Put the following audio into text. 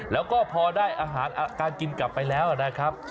แล้วก็พอได้อาหารการกินกลับไปแล้วนะครับ